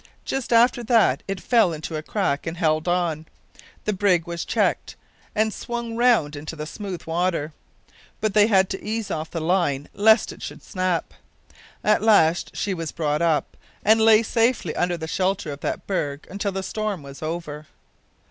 Just after that it fell into a crack and held on. The brig was checked, and swung round into the smooth water; but they had to ease off the line lest it should snap. At last she was brought up, and lay safely under the shelter of that berg until the storm was over.